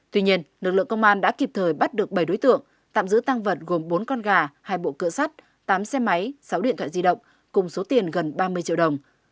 tuy nhiên lực lượng công an đã kịp thời bắt được bảy đối tượng tạm giữ tăng vật gồm bốn con gà hai bộ cựa sắt tám xe máy sáu điện thoại di động cùng số tiền gần ba mươi triệu đồng